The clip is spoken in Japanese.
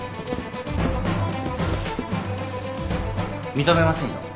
認めませんよ